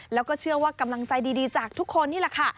แล้วก็เชื่อว่ากำลังใจดีจากทุกคนนี่แหละค่ะ